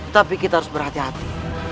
tapi kita harus berhati hati